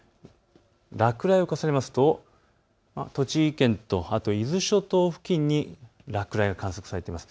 落雷を重ねると栃木県と伊豆諸島付近に落雷が観測されています。